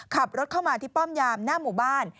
ขับรถเข้ามาที่ป้อมยามหน้าหมู่บ้าน